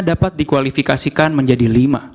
dan dapat dikualifikasikan menjadi lima